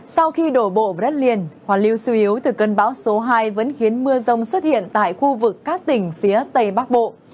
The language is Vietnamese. sau khi đổ bộ vào đất liền hoàn lưu suy yếu từ cơn bão số hai vẫn khiến mưa rông xuất hiện tại khu vực các tỉnh phía tây bắc bộ